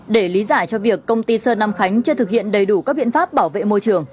để lý giải cho việc công ty sơn nam khánh chưa thực hiện đầy đủ các biện pháp bảo vệ môi trường